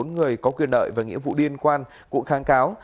hai trăm một mươi bốn người có quyền đợi và nghĩa vụ liên quan cũng kháng cáo